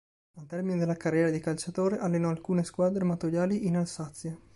Al termine della carriera di calciatore allenò alcune squadre amatoriali in Alsazia.